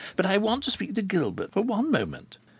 But I want to speak to Gilbert for one moment."